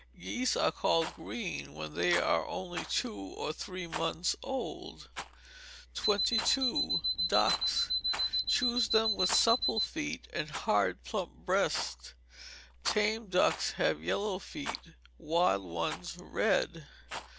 Geese are called green when they are only two or three months old. 22. Ducks. Choose them with supple feet and hard plump breasts. Tame ducks have yellow feet, wild ones red.